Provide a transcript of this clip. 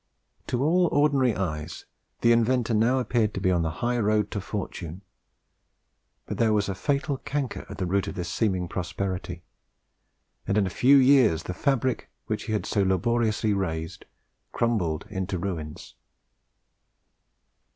To all ordinary eyes the inventor now appeared to be on the high road to fortune; but there was a fatal canker at the root of this seeming prosperity, and in a few years the fabric which he had so laboriously raised crumbled into ruins.